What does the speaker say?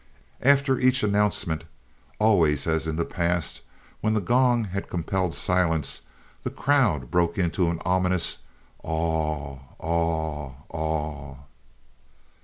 After each announcement, always, as in the past, when the gong had compelled silence, the crowd broke into an ominous "Aw, aw, aw."